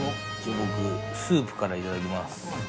僕スープからいただきます